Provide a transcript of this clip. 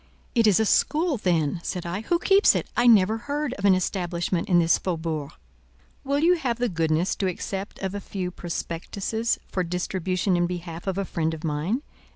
"It is a school then?" said I. "Who keeps it? I never heard of an establishment in this faubourg." "Will you have the goodness to accept of a few prospectuses for distribution in behalf of a friend of mine?"